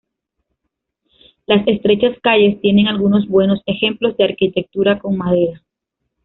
Las estrechas calles tienen algunos buenos ejemplos de arquitectura con madera.